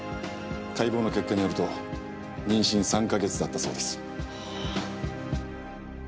解剖の結果によると妊娠３か月だったそうです。